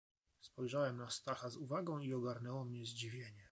"Spojrzałem na Stacha z uwagą i ogarnęło mnie zdziwienie."